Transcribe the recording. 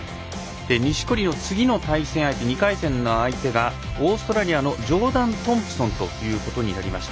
錦織の次の対戦相手２回戦の相手がオーストラリアのジョーダン・トンプソンということになりました。